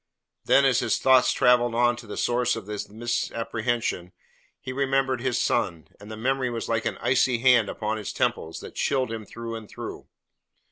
Then, as his thoughts travelled on to the source of the misapprehension he remembered his son, and the memory was like an icy hand upon his temples that chilled him through and through.